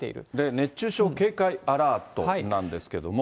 熱中症警戒アラートなんですけれども。